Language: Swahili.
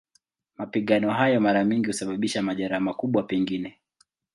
Mapigano hayo mara nyingi husababisha majeraha, makubwa pengine.